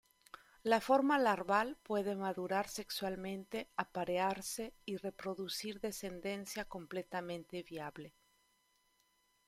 La forma larval puede madurar sexualmente, aparearse, y producir descendencia completamente viable.